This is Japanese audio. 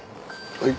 はい。